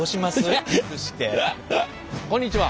こんにちは。